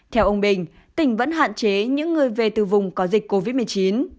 theo ông bình tỉnh vẫn hạn chế những người về từ vùng có dịch covid một mươi chín